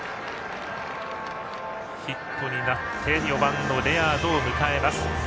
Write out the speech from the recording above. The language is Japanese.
ヒットになって４番、レアードを迎えます。